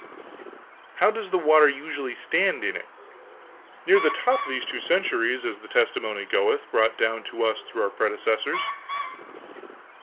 "How does the water usually stand in it?" "Near to the top, these two centuries, as the testimony goeth, brought down to us through our predecessors."